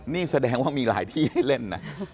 นี่แสดงว่ามีหลายที่ให้เล่นนะ